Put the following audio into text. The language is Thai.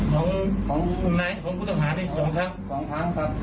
ของของของไหนของผู้ต่างหาดิสองครั้งสองครั้งครับ